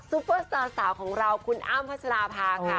ปเปอร์สตาร์สาวของเราคุณอ้ำพัชราภาค่ะ